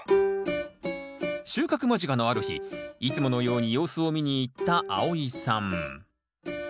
収穫間近のある日いつものように様子を見に行ったあおいさん。